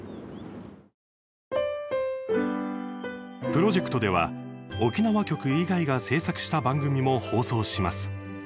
プロジェクトでは沖縄局以外が制作した番組も放送します。